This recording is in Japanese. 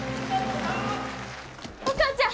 お母ちゃん！